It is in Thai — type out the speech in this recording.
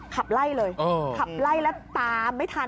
ขับไล่เลยขับไล่แล้วตามไม่ทัน